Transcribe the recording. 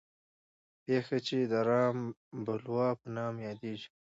پېښه چې د رام بلوا په نامه یادېږي.